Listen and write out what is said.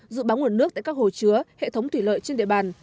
dự báo nguồn nước tại các hồ chứa hệ thống thủy lợi trên địa bàn